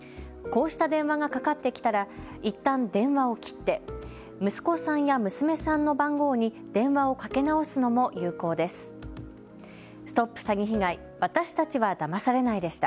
こうした電話がかかってきたらいったん電話を切って息子さんや娘さんの番号に電話をかけ直すのも有効です。